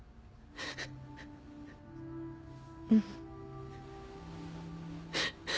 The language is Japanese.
うん。